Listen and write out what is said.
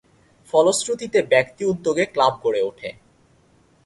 ফলশ্রুতিতে ব্যক্তি উদ্যোগে ক্লাব গড়ে উঠে।